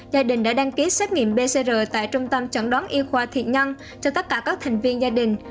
gia đình đã đăng ký xét nghiệm pcr tại trung tâm chẩn đoán y khoa thiện nhân cho tất cả các thành viên gia đình